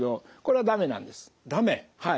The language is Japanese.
はい。